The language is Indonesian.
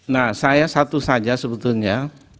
nah saya satu saja sebetulnya